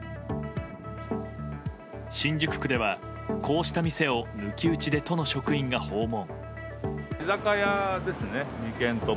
新宿区では、こうした店を抜き打ちで都の職員が訪問。